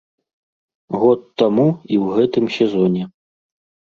Год таму і ў гэтым сезоне.